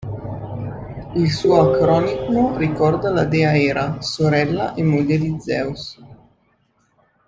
Il suo acronimo ricorda la dea Era, sorella e moglie di Zeus.